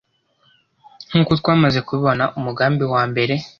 nk’uko twamaze kubibona, umugambi wa mbere